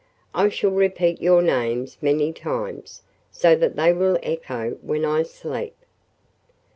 "I shall repeat your names many times so that they will echo when I sleep."